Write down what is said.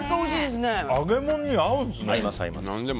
揚げ物に合うんですね。